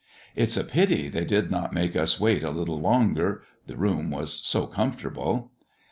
It's a pity they did not make us wait a little longer, the room was so comfortable.